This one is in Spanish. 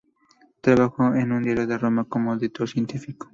Trabajó en un diario de Roma como editor científico.